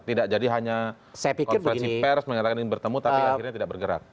tidak jadi hanya konferensi pers mengatakan ingin bertemu tapi akhirnya tidak bergerak